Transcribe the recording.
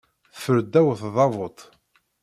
Teffer ddaw tdabut.